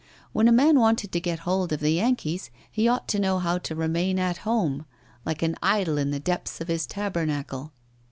When a man wanted to get hold of the Yankees, he ought to know how to remain at home, like an idol in the depths of his tabernacle.